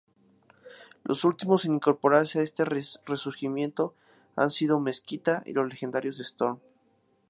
Los últimos en incorporarse a este resurgimiento, han sido Mezquita y los legendarios Storm.